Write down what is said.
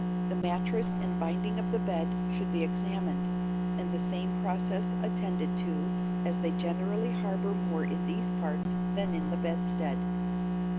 The mattress and binding of the bed should be examined, and the same process attended to, as they generally harbour more in these parts than in the bedstead.